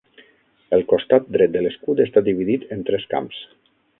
El costat dret de l'escut està dividit en tres camps.